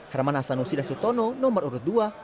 herman hasanusi dan sutono nomor urut dua